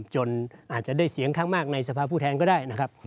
จนจะได้เห็นมากในสภาผู้แทนก็ได้